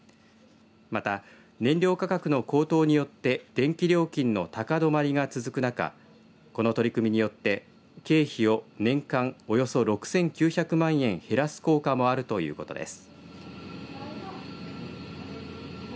また、燃料価格の高騰によって電気料金の高止まりが続く中この取り組みによって経費を年間およそ６９００万円減らす効果もあるということです。